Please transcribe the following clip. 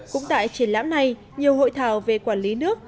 cũng tại triển lãm này nhiều hội thảo về quản lý nước